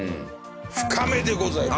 ふかめでございます。